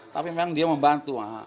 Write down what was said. tapi memang dia membantu